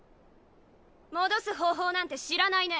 戻す方法なんて知らないね。